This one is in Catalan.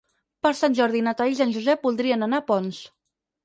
Per Sant Jordi na Thaís i en Josep voldrien anar a Ponts.